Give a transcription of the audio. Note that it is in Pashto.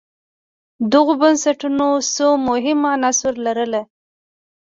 دغو بنسټونو څو مهم عناصر لرل.